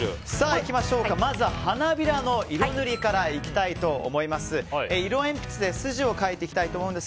まずは花びらの色塗りからやっていきたいと思います。